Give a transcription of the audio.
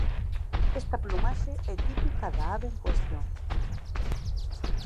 Esta plumaxe é típica da ave en cuestión.